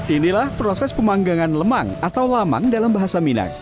inilah proses pemanggangan lemang atau lamang dalam bahasa minang